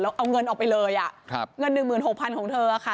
แล้วเอาเงินออกไปเลยอ่ะเงิน๑๖๐๐๐บาทของเธอค่ะ